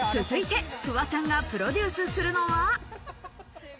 続いてフワちゃんがプロデュースするのは。